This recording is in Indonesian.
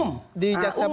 umum tidak ada